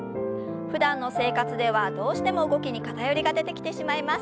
ふだんの生活ではどうしても動きに偏りが出てきてしまいます。